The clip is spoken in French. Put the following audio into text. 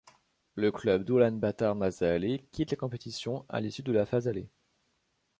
Le club d'Ulaanbaatar Mazaalai quitte la compétition à l'issue de la phase aller.